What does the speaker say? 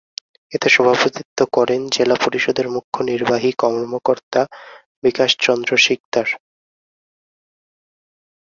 এতে সভাপতিত্ব করেন জেলা পরিষদের মুখ্য নির্বাহী কর্মকর্তা বিকাশ চন্দ্র শিকদার।